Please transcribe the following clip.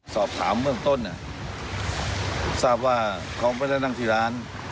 สอบถามเบื้องต้นทราบว่าเขาไม่ได้นั่งที่ร้าน